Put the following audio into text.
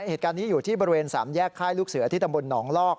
เหตุการณ์นี้อยู่ที่บริเวณ๓แยกค่ายลูกเสือที่ตำบลหนองลอก